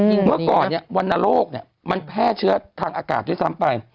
เมื่อก่อนเนี่ยวรรณโรคเนี่ยมันแพร่เชื้อทางอากาศด้วยซ้ำไป